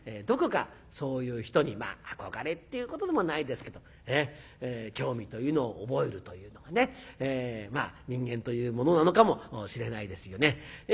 どこかそういう人にまあ憧れっていうことでもないですけど興味というのを覚えるというのがね人間というものなのかもしれないですよね。